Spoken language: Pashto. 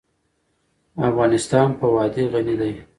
افغانستان په وادي غني دی.